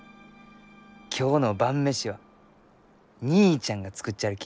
今日の晩飯は義兄ちゃんが作っちゃるき。